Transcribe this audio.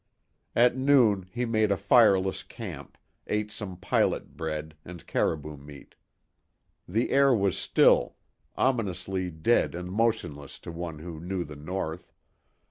At noon he made a fireless camp, ate some pilot bread, and caribou meat. The air was still ominously dead and motionless to one who knew the North.